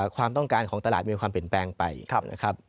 ความต้องการของตลาดมีความเปลี่ยนแปลงไปนะครับ